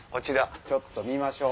ちょっと見ましょう。